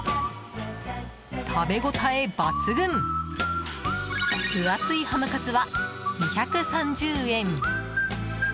食べ応え抜群分厚いハムカツは２３０円。